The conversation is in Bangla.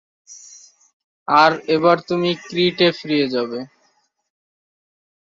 আর এবার তুমি ক্রিটে ফিরে যাবে?